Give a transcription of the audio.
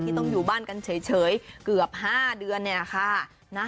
ต้องอยู่บ้านกันเฉยเกือบ๕เดือนนี่แหละค่ะ